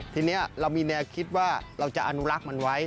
ทีนี้เรามีแนวคิดว่าเราจะอนุรักษ์มันไว้